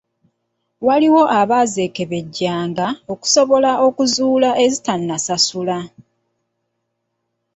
Waliwo abaazeekebejjanga okusobola okuzuula ezitannasasula .